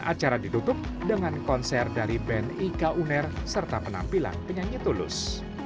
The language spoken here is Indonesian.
acara ditutup dengan konser dari band ika uner serta penampilan penyanyi tulus